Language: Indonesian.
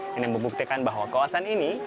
dengan membuktikan bahwa kawasan ini